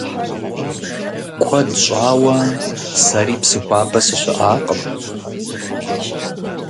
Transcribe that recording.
Куэд щӀауэ сэри Псыхуабэ сыщыӀакъым.